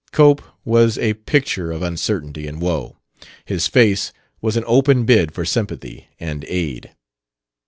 Cope was a picture of uncertainty and woe; his face was an open bid for sympathy and aid.